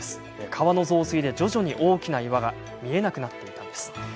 川の増水で徐々に大きな岩が見えなくなっていたんです。